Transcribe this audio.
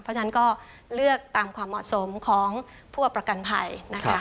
เพราะฉะนั้นก็เลือกตามความเหมาะสมของผู้ประกันภัยนะคะ